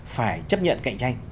phải chấp nhận cạnh tranh